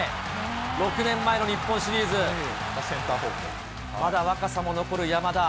６年前の日本シリーズ。まだ若さも残る山田。